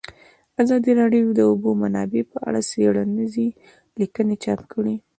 ازادي راډیو د د اوبو منابع په اړه څېړنیزې لیکنې چاپ کړي.